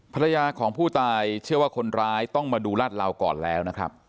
ภรรยาของผู้ตายเชื่อว่าคนร้ายต้องมาดูลาดเหลาก่อนแล้วนะครับ